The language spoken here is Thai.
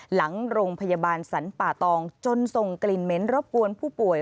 หลังโรงพยาบาลสรรป่าตองจนส่งกลิ่นเหม็นรบกวนผู้ป่วย